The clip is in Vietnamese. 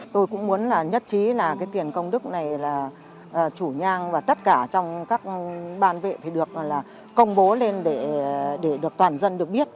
tôi cũng muốn nhất trí là tiền công đức này là chủ nhang và tất cả trong các ban vệ phải được công bố lên để toàn dân được biết